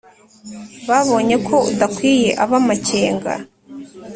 Babonye ko udakwiye ab'amakenga